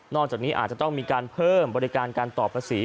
จากนี้อาจจะต้องมีการเพิ่มบริการการต่อภาษี